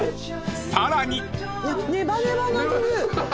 ［さらに］